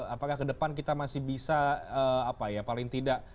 apakah ke depan kita masih bisa apa ya